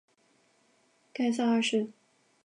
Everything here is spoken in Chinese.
盖萨二世。